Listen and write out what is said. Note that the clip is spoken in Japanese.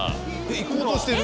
行こうとしてる。